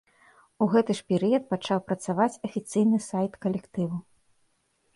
У гэты ж перыяд пачаў працаваць афіцыйны сайт калектыву.